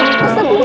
masa kamu berguna